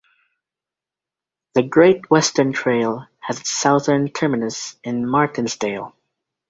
The Great Western Trail has its southern terminus in Martensdale.